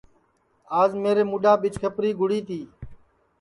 آج میرے مُڈؔاپ ٻیچھکپری گُڑی تی